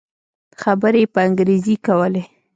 خبرې يې په انګريزي کولې.